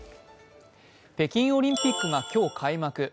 北京オリンピックが今日開幕。